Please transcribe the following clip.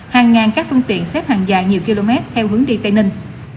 hàng ngàn các phương tiện xếp hàng dài nhiều km theo hướng đi tây ninh